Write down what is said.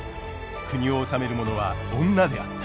国を治める者は女であった。